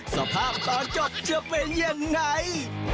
สภาพตอนจบจะเป็นยังไง